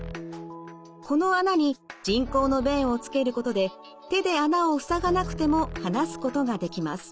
この孔に人工の弁をつけることで手で孔を塞がなくても話すことができます。